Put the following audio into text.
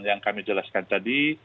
yang kami jelaskan tadi